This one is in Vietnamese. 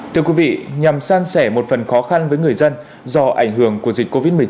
thưa quý vị nhằm san sẻ một phần khó khăn với người dân do ảnh hưởng của dịch covid một mươi chín